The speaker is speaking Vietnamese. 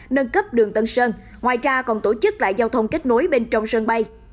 nâng cấp đường tân sơn ngoài ra còn tổ chức lại giao thông kết nối bên trong sân bay